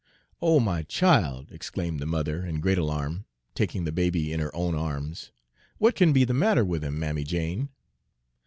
"Oh, my child!" exclaimed the mother, in great alarm, taking the baby in her own arms, "what can be the matter with him, Mammy Jane?"